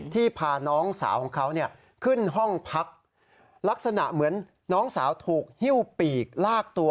ที่พาน้องสาวของเขา